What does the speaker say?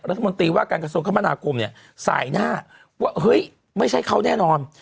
รัฐมนตรีว่าการกระทรวงคมนาคมเนี่ยสายหน้าว่าเฮ้ยไม่ใช่เขาแน่นอน